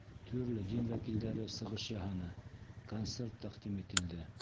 Төрлө дин вәкилдәре сығыш яһаны, концерт тәҡдим ителде.